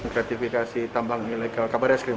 gratifikasi tambang ilegal kabaris kirim